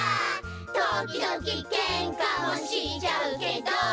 「ときどきケンカもしちゃうけど」